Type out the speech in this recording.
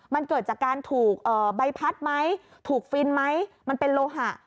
มันเกิดจากการถูกใบพัดไหมถูกฟินไหมมันเป็นโลหะ